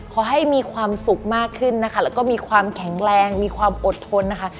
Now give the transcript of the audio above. ขอให้มีความสุขมากขึ้นนะคะแล้วก็มีความแข็งแรงมีความอดทนนะคะ